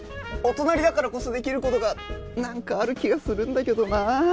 お隣だからこそできる事がなんかある気がするんだけどなあ。